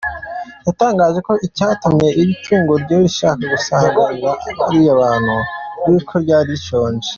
Yatangaje ko icyatumye iri tungo rye rishaka gusagarira bariya bantu ari uko ryari rishonje.